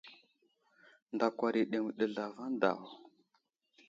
Ndakwar i aɗeŋw ɗi zlavaŋ daw.